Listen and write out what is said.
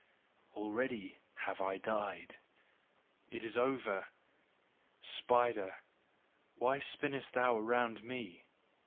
Already have I died. It is all over. Spider, why spinnest thou around me?